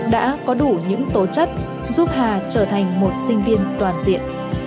đã có đủ những tố chất giúp hà trở thành một sinh viên toàn diện